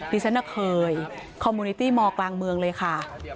ดิฉันเคยคอมมูนิตี้มอร์กลางเมืองเลยค่ะ